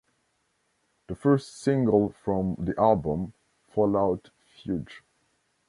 The first single from the album, Fall Out feat.